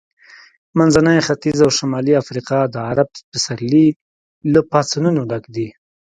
منځنی ختیځ او شمالي افریقا د عرب پسرلي له پاڅونونو ډک دي.